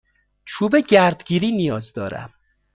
چوب گردگیری نیاز دارم.